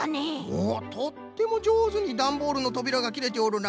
おっとってもじょうずにダンボールのとびらがきれておるな。